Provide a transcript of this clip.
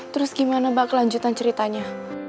terus gimana mbak kelanjutan ceritanya